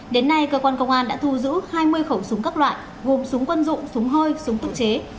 đến nay cơ quan công an đã thu giữ hai mươi khẩu súng các loại gồm súng quân dụng súng hơi súng tự chế